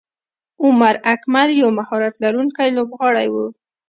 عمر اکمل یو مهارت لرونکی لوبغاړی وو.